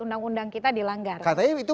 undang undang kita dilanggar jadi itu